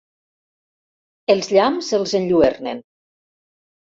Els llamps els enlluernen.